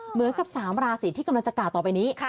เหมือนกับ๓ราศีที่กำลังจะกล่าวต่อไปนี้